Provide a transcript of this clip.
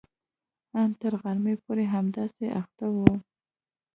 ان تر غرمې پورې همداسې اخته وي.